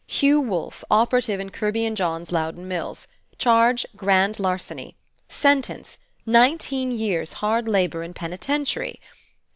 Hugh Wolfe, operative in Kirby & John's Loudon Mills. Charge, grand larceny. Sentence, nineteen years hard labor in penitentiary.